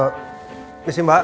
eh disini mbak